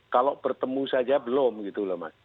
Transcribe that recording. kalau bertemu saja belum gitu loh mas